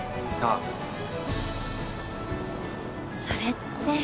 それって？